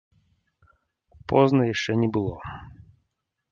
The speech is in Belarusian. Позна яшчэ не было.